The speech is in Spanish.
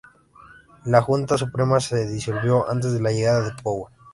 La Junta Suprema se disolvió antes de la llegada de Power.